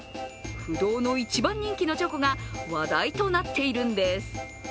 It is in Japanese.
不動の一番人気のチョコが話題となっているんです。